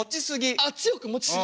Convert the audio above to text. ああ強く持ち過ぎ？